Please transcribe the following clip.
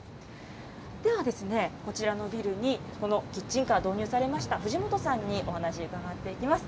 では、こちらのビルに、このキッチンカーを導入されました藤本さんに、お話伺っていきます。